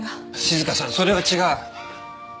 静香さんそれは違う。